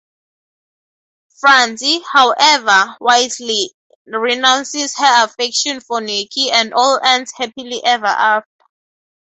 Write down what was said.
Franzi, however, wisely renounces her affection for Niki and all ends happily ever after.